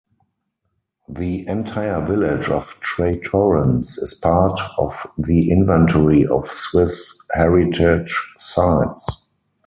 The entire village of Treytorrens is part of the Inventory of Swiss Heritage Sites.